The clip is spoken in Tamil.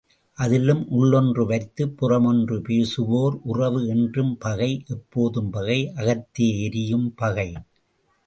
அதிலும் உள்ளொன்று வைத்துப் புறமொன்று பேசுவோர் உறவு என்றும் பகை, எப்போதும் பகை, அகத்தே எரியும் பகை.